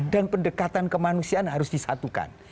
dan pendekatan kemanusiaan harus disatukan